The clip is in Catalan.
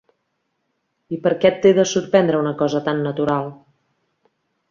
I per què et té de sorprendre una cosa tant natural?